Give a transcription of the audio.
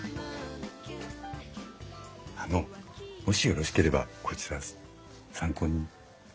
あのもしよろしければこちら参考に。